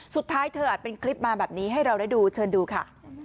สุดท้ายเธออัดเป็นคลิปมาแบบนี้ให้เราได้ดูเชิญดูค่ะ